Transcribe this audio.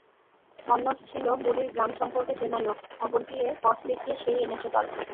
মন্মথ ছিল বুড়ীর গ্রামসম্পর্কে চেনা লোক–খবর দিয়ে পথ দেখিয়ে সে-ই এনেছে দলকে।